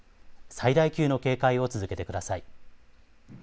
最大級の警戒を続けてください。